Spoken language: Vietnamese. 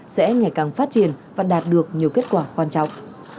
sẽ ngày càng phát triển và đạt được nhiều kết quả quan trọng